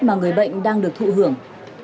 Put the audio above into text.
mà người bệnh đang được thụ hưởng